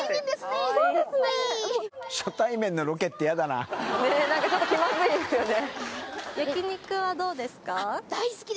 はい何かちょっと気まずいですよね